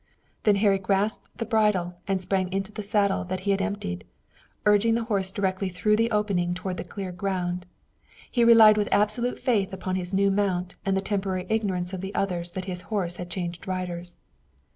Then Harry grasped the bridle and sprang into the saddle that he had emptied, urging the horse directly through the opening toward the cleared ground. He relied with absolute faith upon his new mount and the temporary ignorance of the others that his horse had changed riders.